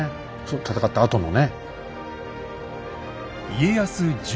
戦ったあとのね。